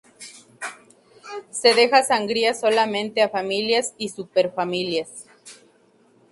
Se deja sangría solamente a "familias" y "superfamilias".